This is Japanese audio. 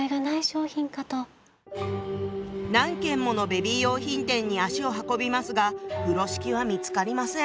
何軒ものベビー用品店に足を運びますが風呂敷は見つかりません。